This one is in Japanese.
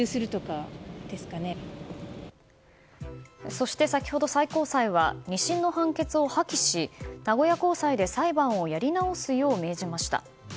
そして先ほど、最高裁は２審の判決を破棄し名古屋高裁で裁判をやり直すよう命じました。